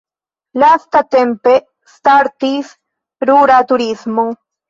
Lastatempe startis rura turismo.